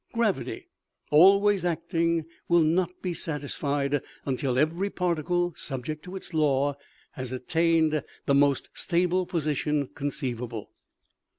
Gravity, always acting, will not be satisfied until every particle subject to its law has attained 6 OMEGA . AT FLOOD TIME. the most stable position conceivable.